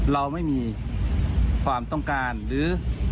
เราไม่มีความต้องการหรือ